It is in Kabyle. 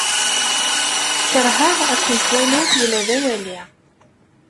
Keṛheɣ ad kent-waliɣ ula d awali.